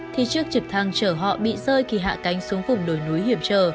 thì chiếc trực thăng chở họ bị rơi khi hạ cánh xuống vùng đồi núi hiểm trở